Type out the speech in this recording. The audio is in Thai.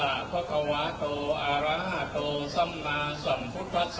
นักโมทรัพย์ภักวะโตอาระโตสัมมาสัมพุทธศาสตร์